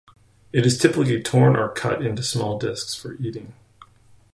It is typically torn or cut into small disks for eating.